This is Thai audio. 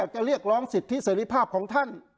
จะเรียกร้องสิทธิเสรีภาพของท่าน